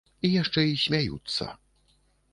І яшчэ і смяюцца.